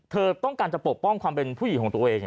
เธอต้องการจะปกป้องความเป็นผู้หญิงของตัวเอง